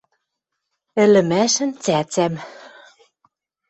Ӹлӹмӓшӹн цӓцӓм